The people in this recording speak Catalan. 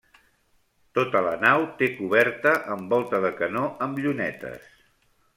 Tota la nau té coberta amb volta de canó amb llunetes.